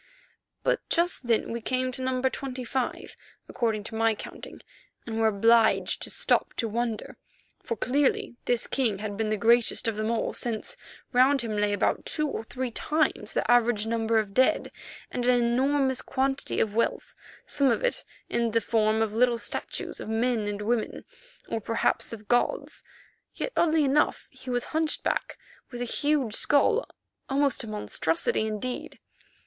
But just then we came to No. 25, according to my counting, and were obliged to stop to wonder, for clearly this king had been the greatest of them all, since round him lay about two or three times the average number of dead, and an enormous quantity of wealth, some of it in the form of little statues of men and women, or perhaps of gods. Yet, oddly enough, he was hunchback with a huge skull, almost a monstrosity indeed.